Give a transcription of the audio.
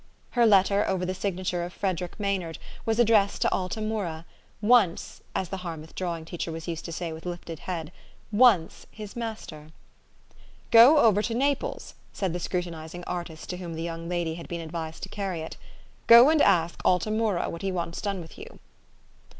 Her letter, over the signature of Frederick May nard, was addressed to Alta Mura, once as the Harmouth drawing teacher was used to say with lifted head, once his master. " Go over to Naples," said the scrutinizing artist to whom the young lady had been advised to carry it; "go and ask Alta Mura what he wants done with you."